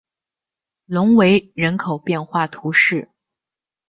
隆维人口变化图示